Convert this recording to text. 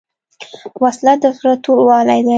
وسله د زړه توروالی دی